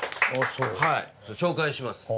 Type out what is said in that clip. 紹介します。